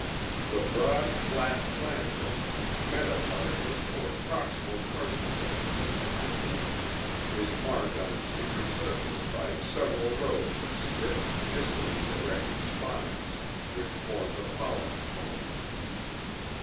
The broad, flat planta (metatarsus or proximal tarsal segment of the hind leg) is marked on its inner surface by several rows of stiff, distally directed spines which form the pollen combs.